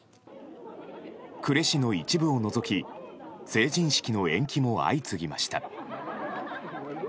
呉市の一部を除き成人式の延期も相次ぎました。